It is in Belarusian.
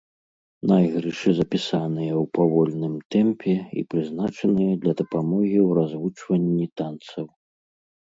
Найгрышы запісаныя ў павольным тэмпе і прызначаныя для дапамогі ў развучванні танцаў.